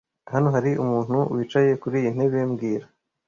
Hano hari umuntu wicaye kuriyi ntebe mbwira